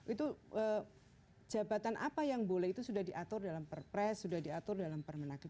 itu jabatan apa yang boleh itu sudah diatur dalam perpres sudah diatur dalam permen aktif